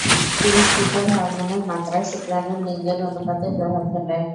পুরুষ পিতার হরমোনের মাত্রা শুক্রাণুর লিঙ্গের অনুপাতে প্রভাব ফেলে।